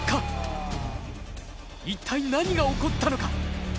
一体何が起こったのか？